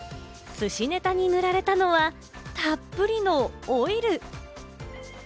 すしネタに塗られたのは、たっぷりのオイル！